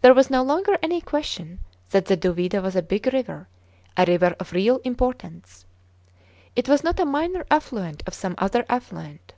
There was no longer any question that the Duvida was a big river, a river of real importance. It was not a minor affluent of some other affluent.